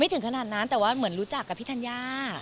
ถึงขนาดนั้นแต่ว่าเหมือนรู้จักกับพี่ธัญญา